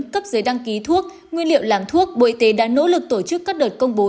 cấp giấy đăng ký thuốc nguyên liệu làm thuốc bộ y tế đã nỗ lực tổ chức các đợt công bố